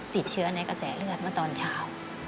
ติดเชื้อในกระแสเลือดเมื่อตอนเช้า